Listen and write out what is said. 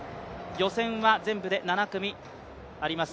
予選は全部で７組あります。